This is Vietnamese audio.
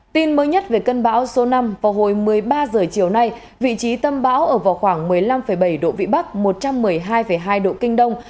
tin mới nhất về cơn bão số năm vào hồi một mươi ba h chiều nay vị trí tâm bão ở vào khoảng một mươi năm bảy độ vĩ bắc một trăm một mươi hai hai độ kinh đông